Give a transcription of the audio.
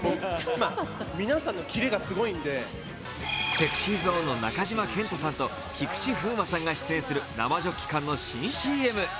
ＳｅｘｙＺｏｎｅの中島健人さんと菊池風磨さんが出演する生ジョッキ缶の新ＣＭ。